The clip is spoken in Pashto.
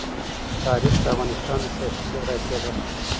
تاریخ د افغانستان د سیاسي جغرافیه برخه ده.